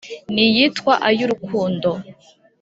n’iyitwa ’Ay’urukundo’